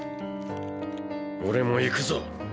俺も行くぞ。